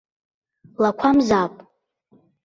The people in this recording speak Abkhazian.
Лақәамзаап!